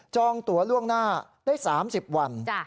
องตัวล่วงหน้าได้๓๐วัน